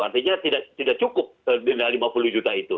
artinya tidak cukup denda lima puluh juta itu